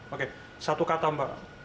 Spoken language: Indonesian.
oke satu kata mbak